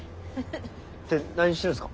って何してるんですか？